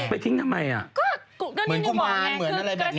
ไปทิ้งทำไมอะเหมือนคู่ม้านอะไรแบบนี้อะ